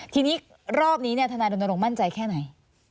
ทีนี้รอบนี้เนี่ยธนาดุะโณรงมั่นใจแค่ไหน